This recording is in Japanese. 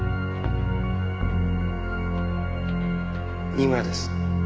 新村です。